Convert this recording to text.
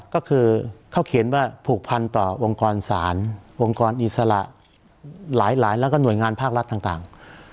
ก็คือเขาเขียนว่าผูกพันต่อองค์กรศาลองค์กรอิสระหลายแล้วก็หน่วยงานภาครัฐต่าง